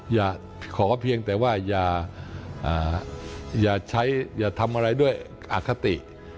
อย่าขอเพียงแต่ว่าอย่าใช้อย่าทำอะไรด้วยอคติ